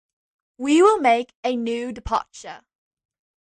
We will make a new departure.